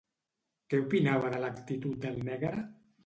Què opinava de l'actitud del negre?